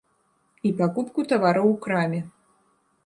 І пакупку тавараў у краме.